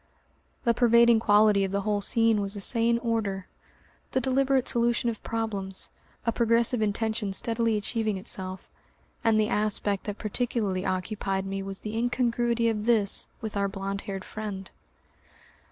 The pervading quality of the whole scene was a sane order, the deliberate solution of problems, a progressive intention steadily achieving itself, and the aspect that particularly occupied me was the incongruity of this with our blond haired friend.